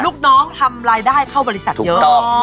ลูกน้องทำรายได้เข้าบริษัทเยอะ